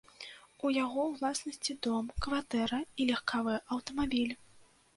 У яго ўласнасці дом, кватэра і легкавы аўтамабіль.